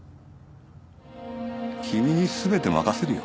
君に全て任せるよ。